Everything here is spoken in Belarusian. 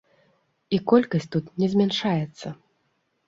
І колькасць тут не змяншаецца.